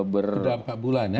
sudah empat bulan ya